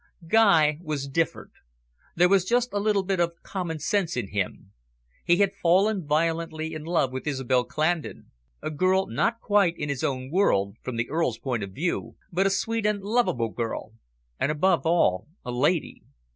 Guy was different there was just a little bit of common sense in him. He had fallen violently in love with Isobel Clandon a girl not quite in his own world, from the Earl's point of view but a sweet and lovable girl, and above all a lady.